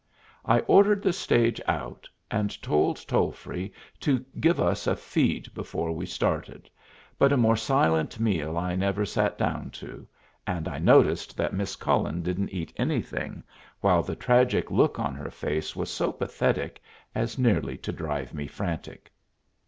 I ordered the stage out, and told Tolfree to give us a feed before we started, but a more silent meal I never sat down to, and I noticed that Miss Cullen didn't eat anything, while the tragic look on her face was so pathetic as nearly to drive me frantic.